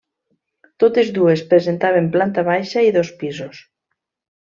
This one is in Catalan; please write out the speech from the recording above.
Totes dues presentaven planta baixa i dos pisos.